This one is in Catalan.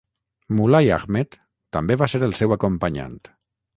Moulai Ahmed també va ser el seu acompanyant.